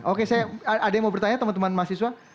oke saya ada yang mau bertanya teman teman mahasiswa